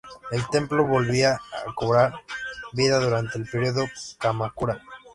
El templo volvió a cobrar vida durante el Período Kamakura.